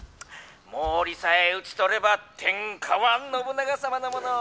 「毛利さえ討ち取れば天下は信長様のもの！